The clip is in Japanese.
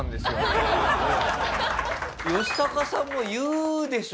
ヨシタカさんも言うでしょ